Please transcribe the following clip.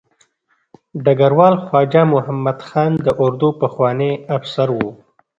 ډګروال خواجه محمد خان د اردو پخوانی افسر و.